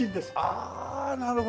ああなるほど。